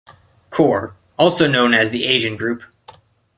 Corps, also known as the Asian Group.